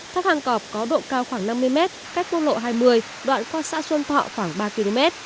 thác hang cọp có độ cao khoảng năm mươi m cách mông lộ hai mươi đoạn qua xã sơn thọ khoảng ba km